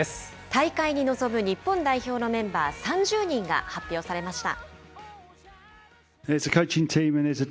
大会に臨む日本代表のメンバー３０人が発表されました。